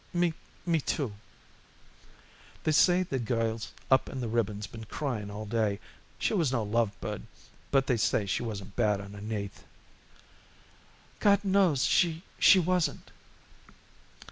"M me, too." "They say the girls up in the ribbons been crying all day. She was no love bird, but they say she wasn't bad underneath." "God knows she she wasn't."